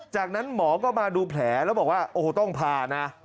จากนั้นหมอก็มาดูแผลแล้วบอกว่าโอ้โหต้องพานะ